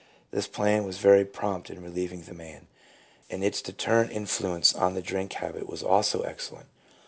This plan was very prompt in relieving the man, and its deterrent in fluence on the drink habit was also excellent.